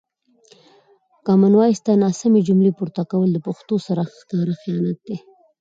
کامن وایس ته ناسمې جملې پورته کول له پښتو سره ښکاره خیانت دی.